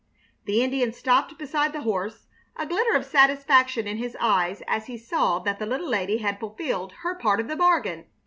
The Indian stopped beside the horse, a glitter of satisfaction in his eyes as he saw that the little lady had fulfilled her part of the bargain.